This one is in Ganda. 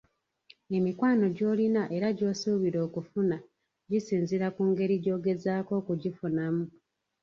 Emikwano gy'olina era gy'osuubira okufuna gisinziira ku ngeri gy'ogezaako okugifunamu.